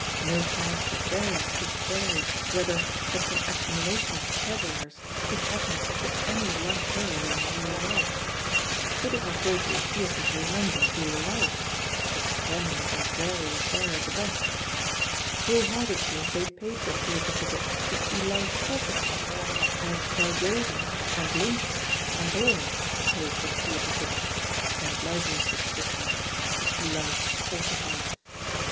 No task of theirs to query whether such an "accumulation of stag gerers" could happen to any one hero in real life; they did not go to the theatre to remember real life — a strenuous or dreary affair at the best. .THE POSITION OF PEGGY HARPER 161 Whole heartedly they paid for theatre tickets to see life falsified^ as Belgravia, and Blooms bury, and Balham paid for theatre tickets — and library subscriptions — ^to see life falsified.